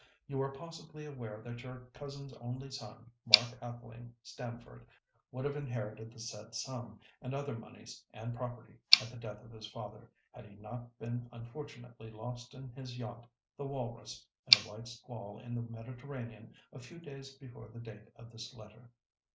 "You are possibly aware that your cousin's only son, Mark Atheling Stamford, would have inherited the said sum, and other moneys and property, at the death of his father, had he not been unfortunately lost in his yacht, the Walrus, in a white squall in the Mediterranean, a few days before the date of this letter.